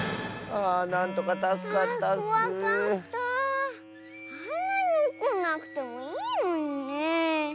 あんなにおこんなくてもいいのにね。